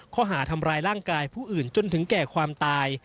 ข้อหาทำร้ายร่างกายผู้อื่นจนถึงแก่ความตาย